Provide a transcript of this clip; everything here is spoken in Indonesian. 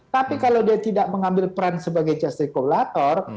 tapi kalau dia tidak mengambil peran sebagai justice collator